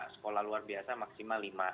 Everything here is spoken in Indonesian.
sekolah luar biasa maksimal lima